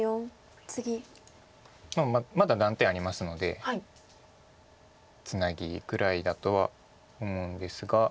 まあまだ断点ありますのでツナギぐらいだとは思うんですが。